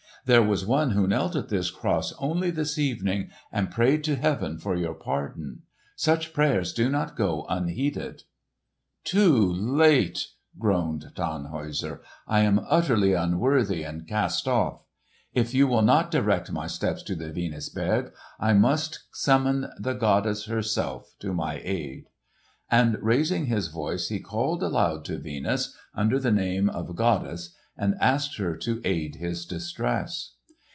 There was one who knelt at this cross only this evening and prayed to heaven for your pardon. Such prayers do not go unheeded!" "Too late!" groaned Tannhäuser. "I am utterly unworthy and cast off! If you will not direct my steps to the Venusberg, I must summon the goddess herself to my aid." And raising his voice he called aloud to Venus, under the name of goddess, and asked her to aid his distress.